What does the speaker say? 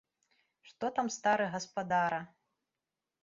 Што там стары гаспадара.